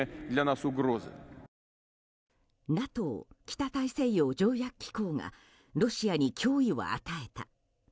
ＮＡＴＯ・北大西洋条約機構がロシアに脅威を与えた。